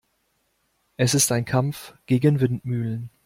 Es ist ein Kampf gegen Windmühlen.